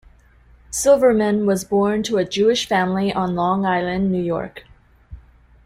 Silverman was born to a Jewish family on Long Island, New York.